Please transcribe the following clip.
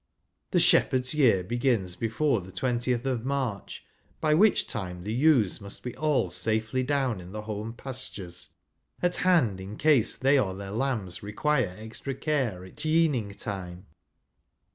The shepherd's year begins before the twentieth of March, by which time the ewes must be all safely down in the home pastures, at hand in case they or their lambs require extra care at yeaning time.